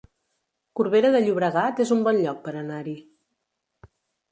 Corbera de Llobregat es un bon lloc per anar-hi